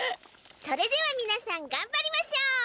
それではみなさんがんばりましょう！